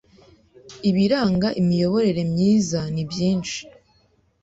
Ibiranga imiyoborere myiza ni byinshi